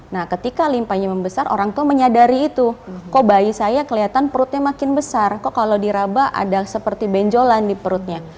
nah ketika limpanya membesar orang tua menyadari itu kok bayi saya kelihatan perutnya makin besar kok kalau diraba ada seperti benjolan di perutnya